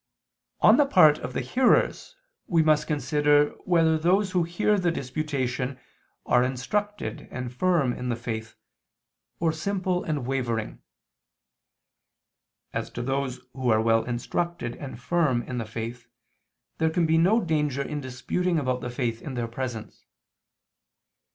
On the part of the hearers we must consider whether those who hear the disputation are instructed and firm in the faith, or simple and wavering. As to those who are well instructed and firm in the faith, there can be no danger in disputing about the faith in their presence.